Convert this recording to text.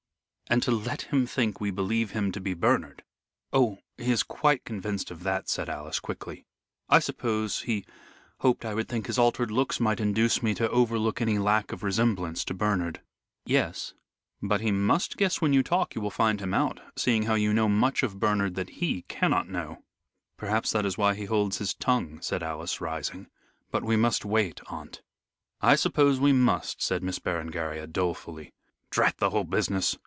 "And to let him think we believe him to be Bernard." "Oh, he is quite convinced of that," said Alice, quickly. "I suppose he hoped I would think his altered looks might induce me to overlook any lack of resemblance to Bernard." "Yes, but he must guess when you talk you will find him out, seeing you know much of Bernard that he cannot know." "Perhaps that is why he holds his tongue," said Alice, rising. "But we must wait, aunt." "I suppose we must," said Miss Berengaria, dolefully. "Drat the whole business!